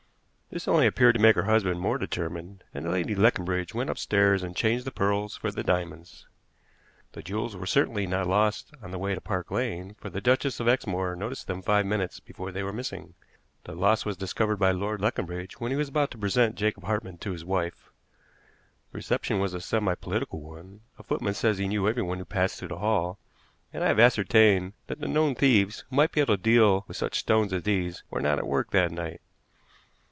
This only appeared to make her husband more determined, and Lady Leconbridge went upstairs and changed the pearls for the diamonds. The jewels were certainly not lost on the way to Park Lane, for the Duchess of Exmoor noticed them five minutes before they were missing. The loss was discovered by Lord Leconbridge when he was about to present Jacob Hartmann to his wife. The reception was a semi political one; a footman says he knew everyone who passed through the hall; and I have ascertained that the known thieves, who might be able to deal with such stones as these, were not at work that night.